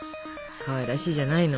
かわいらしいじゃないの。